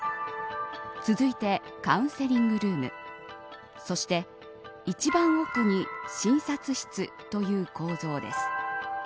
続いて、カウンセリングルームそして、一番奥に診察室という構造です。